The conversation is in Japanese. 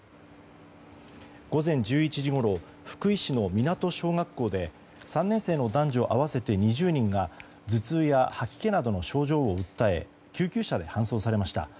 午前１１時ごろ福井市の湊小学校で３年生の男女合わせて２０人が頭痛や吐き気などの症状を訴え救急車で搬送されました。